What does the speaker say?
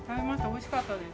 おいしかったです。